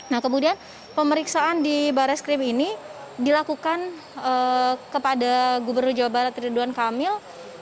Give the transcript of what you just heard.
nah kemudian pemeriksaan di barreskrim ini dilakukan kepada gubernur jawa barat ridwan kamil